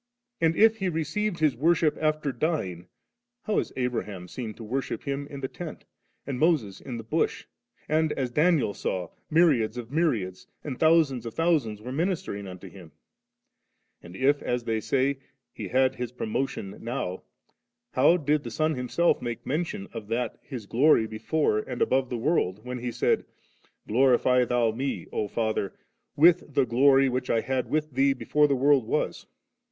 And, if He received His worship after dying, how is Abraham seen to worship Him in the tent ^, and Moses in the bush ? and, as Daniel saw, myriads of mjnnads, and thousands rf thousands were ministering unto Him ? And if, as they say. He had His promotion now, how did the Son Himself make mention of that His glory before and above the world, when He said, * Glorify Thou Me, O Father, with the glory which I had with Thee before the world was